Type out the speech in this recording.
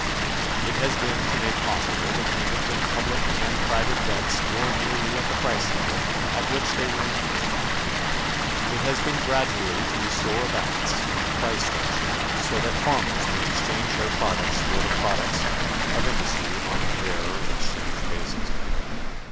It has been to make possible the payment of public and private debts more nearly at the price level at which they were incurred. It has been gradually to restore a balance in the price structure so that farmers may exchange their products for the products of industry on a fairer exchange basis.